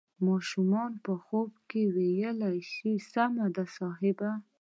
ماشومې په ځواب کې وويل چې سمه ده صاحب.